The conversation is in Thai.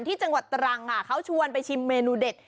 จังหวัดตรังค่ะเขาชวนไปชิมเมนูเด็ด